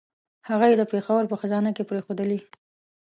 هغه یې د پېښور په خزانه کې پرېښودلې.